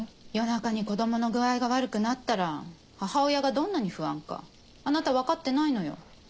夜中に子どもの具合が悪くなったら母親がどんなに不安かあなたわかってないのよ。